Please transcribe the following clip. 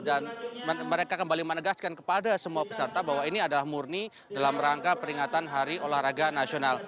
dan mereka kembali menegaskan kepada semua peserta bahwa ini adalah murni dalam rangka peringatan hari olahraga nasional